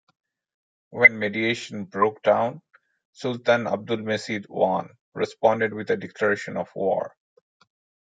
When mediation broke down, Sultan Abdulmecid I responded with a declaration of war.